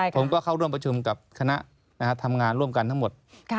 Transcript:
ผมก็เข้าร่วมประชุมกับคณะทำงานร่วมกันทั้งหมด